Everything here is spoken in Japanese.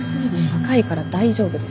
若いから大丈夫です。